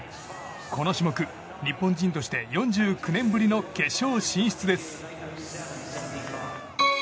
この種目日本人として４９年ぶりの決勝進出です。